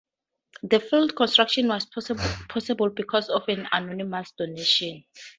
The field's construction was possible because of an anonymous donation.